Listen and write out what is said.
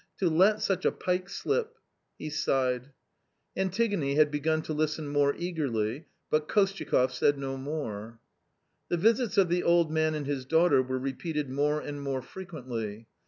To let such a pike slip !" He sighed. Antigone had begun to listen more eagerly, but Kostyakoff said no more. The visits of the old man and his daughter were repeated more and more frequently.